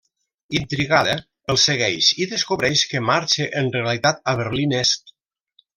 Intrigada, el segueix i descobreix que marxa en realitat a Berlín Est.